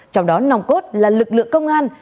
trong đó nòng cốt là lực lượng công an